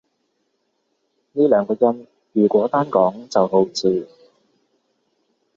呢兩個音如果單講就好似